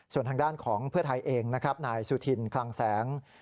ส่วนทางด้านของเพื่อไทยเองนะครับนายสุธินคลังแสง